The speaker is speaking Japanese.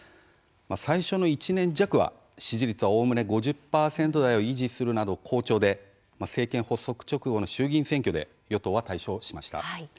最初の１年弱は、支持率はおおむね５０％台を維持するなど好調で政権発足直後の衆議院選挙で与党は、大勝しました。